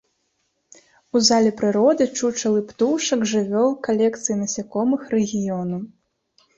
У зале прыроды чучалы птушак, жывёл, калекцыі насякомых рэгіёну.